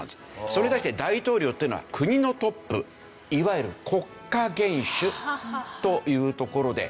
それに対して大統領というのは国のトップいわゆる国家元首というところで。